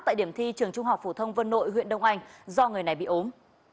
tại điểm thi trường trung học phổ thông vân nội huyện đông anh do người này bị ốm